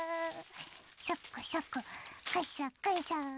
サクサクカサカサ。